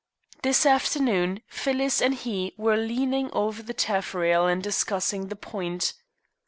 This afternoon Phyllis and he were leaning over the taffrail and discussing the point.